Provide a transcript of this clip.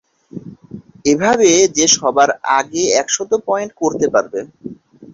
এভাবে যে সবার আগে একশত পয়েন্ট করতে পারবে।